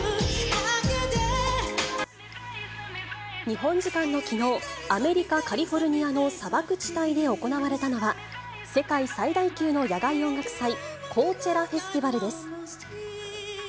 日本時間のきのう、アメリカ・カリフォルニアの砂漠地帯で行われたのは、世界最大級の野外音楽祭、コーチェラフェスティバルです。